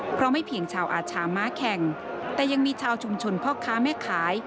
เพราะไม่เพียงชาวอาชาม้าแข่งแต่ยังมีชาวชุมชนพ่อค้าแม่ขาย